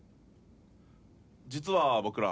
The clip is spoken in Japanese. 実は僕ら。